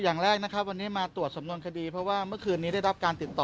อย่างแรกนะครับวันนี้มาตรวจสำนวนคดีเพราะว่าเมื่อคืนนี้ได้รับการติดต่อ